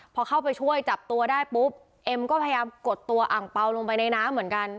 พอเข้าไปช่วยจับตัวได้ปุ๊บเอ็มก็พยายามกดตัวอ่างเปล่าลงไปในน้ำเหมือนกัน